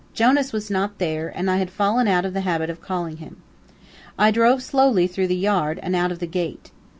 Jonas was not there, and I had fallen out of the habit of calling him. I drove slowly through the yard and out of the gate.